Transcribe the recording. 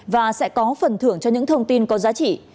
và sẽ có phần thưởng cho những thông tin có giá trị